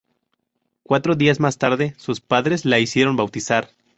Cuatro días más tarde, sus padres la hicieron bautizar.